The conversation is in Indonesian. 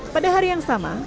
pada hari yang sama